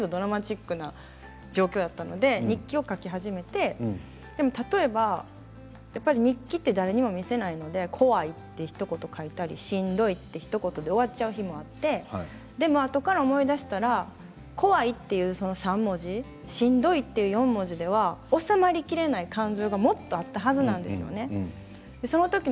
ある程度ドラマチックな状況だったので日記を書き始めて例えば日記は、誰にも見せないので怖いというひと言しんどいと書いたりで終わってしまう日もあったんですけどあとから見たらこわいという３文字しんどいという４文字で収まりきれない感情がもっとあったはずなんですよね。